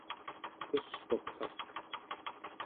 Kusquqvak